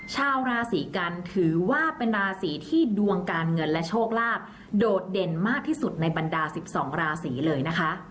ชาวราศีกันถือว่าเป็นราศีที่ดวงการเงินและโชคลาภโดดเด่นมากที่สุดในบรรดา๑๒ราศีเลยนะคะ